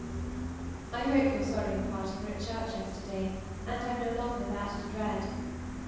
I hope your sorrowing party were at church yesterday, and have no longer that to dread.